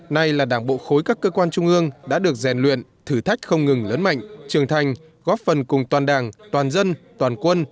nay là đảng bộ khối các cơ quan trung ương đã được rèn luyện thử thách không ngừng lớn mạnh trường thành góp phần cùng toàn đảng toàn dân toàn quân